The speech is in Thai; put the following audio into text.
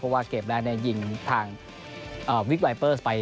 เพราะว่าเกมแรกยิงทางวิกไวเปอร์สไป